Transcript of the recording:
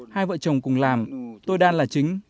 hai vợ chồng cùng làm tôi đan là chính